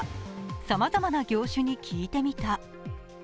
さまざまな業種に聞いてみた。